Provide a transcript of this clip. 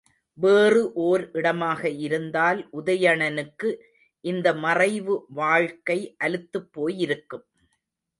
வேறு ஓர் இடமாக இருந்தால் உதயணனுக்கு இந்த மறைவு வாழ்க்கை அலுத்துப் போயிருக்கும்.